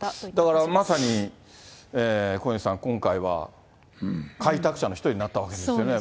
だからまさに、小西さん、今回は開拓者の一人になったわけですよね。